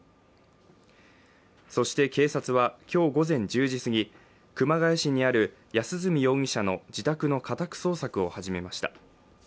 そして警察は今日午前１０時すぎ、熊谷市にある安栖容疑者の自宅の家宅捜索を始めました。